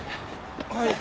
はい。